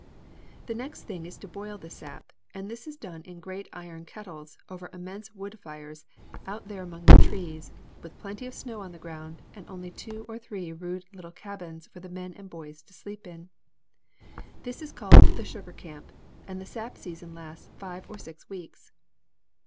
The next thing is to boil the sap, and this is done in great iron kettles, over immense wood fires, out there among the trees, with plenty of snow on the ground, and only two or three rude little cabins for the men and boys to sleep in. This is called 'the sugar camp,' and the sap season lasts five or six weeks."